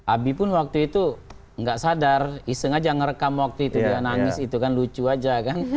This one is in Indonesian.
abi pun waktu itu nggak sadar iseng aja ngerekam waktu itu dia nangis itu kan lucu aja kan